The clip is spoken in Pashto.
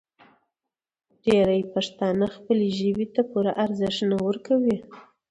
ډېری پښتانه خپلې ژبې ته پوره ارزښت نه ورکوي.